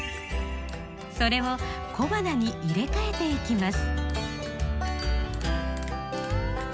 それを小花に入れ替えていきます。